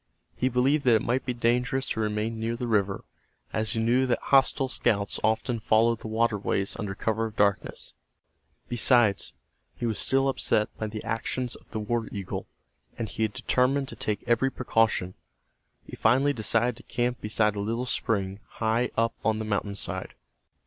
He believed that it might be dangerous to remain near the river, as he knew that hostile scouts often followed the waterways under cover of darkness. Besides, he was still upset by the actions of the war eagle, and he determined to take every precaution. He finally decided to camp beside a little spring, high up on the mountainside.